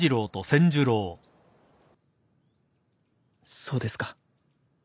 そうですか。